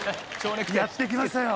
やって来ましたよ。